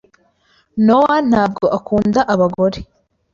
Nowa ntabwo akunda abagore.